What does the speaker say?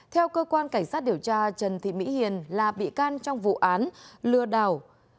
theo cơ quan cảnh sát điều tra trần thị mỹ hiền là bị can trong vụ án lừa đảo